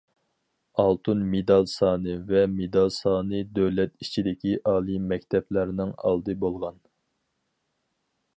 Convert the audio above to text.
ئالتۇن مېدال سانى ۋە مېدال سانى دۆلەت ئىچىدىكى ئالىي مەكتەپلەرنىڭ ئالدى بولغان.